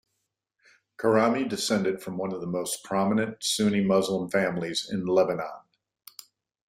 Karami descended from one of the most prominent Sunni Muslim families in Lebanon.